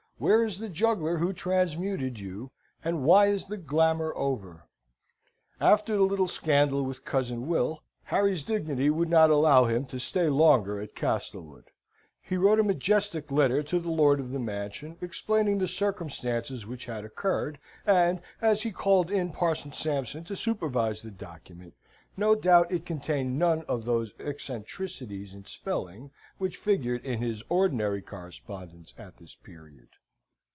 Where is the juggler who transmuted you, and why is the glamour over? After the little scandal with cousin Will, Harry's dignity would not allow him to stay longer at Castlewood: he wrote a majestic letter to the lord of the mansion, explaining the circumstances which had occurred, and, as he called in Parson Sampson to supervise the document, no doubt it contained none of those eccentricities in spelling which figured in his ordinary correspondence at this period.